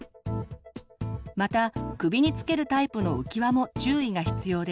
また首につけるタイプの浮き輪も注意が必要です。